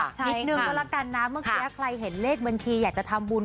นิดนึงก็แล้วกันนะเมื่อกี้ใครเห็นเลขบัญชีอยากจะทำบุญ